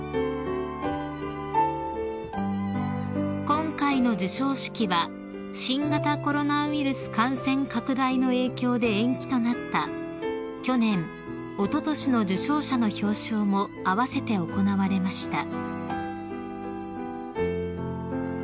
［今回の授賞式は新型コロナウイルス感染拡大の影響で延期となった去年おととしの受賞者の表彰も併せて行われました］